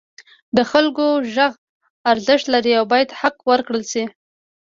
د خلکو غږ ارزښت لري او باید حق ورکړل شي.